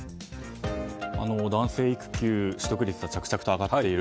男性育休取得率が着々と上がっている。